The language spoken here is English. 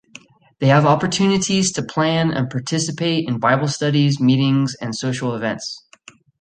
They have opportunities to plan and participate in bible studies, meetings, and social events.